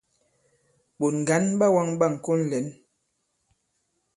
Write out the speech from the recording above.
Ɓòt ŋgǎn ɓa wāŋ ɓâŋkon lɛ̂n.